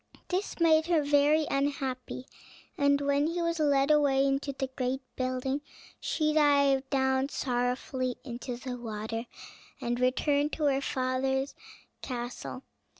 This made her very unhappy, and when he was led away into the great building, she dived down sorrowfully into the water, and returned to her father's castle.